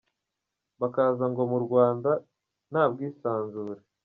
Bakaza ngo mu Rwanda, nta bwisanzure.